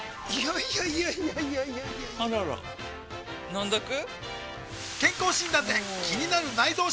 いやいやいやいやあらら飲んどく？